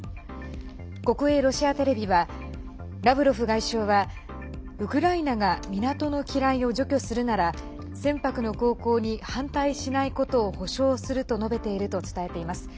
国営ロシアテレビはラブロフ外相はウクライナが港の機雷を除去するなら船舶の航行に反対しないことを保証すると述べていると伝えています。